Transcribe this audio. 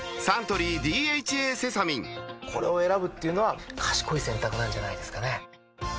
サントリー「ＤＨＡセサミン」これを選ぶっていうのは賢い選択なんじゃないんですかね